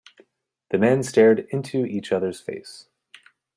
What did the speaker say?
The men stared into each other's face.